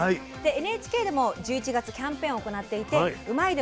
ＮＨＫでも１１月キャンペーンを行っていて「うまいッ！」